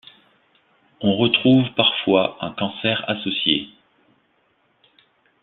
On retrouve parfois un cancer associé.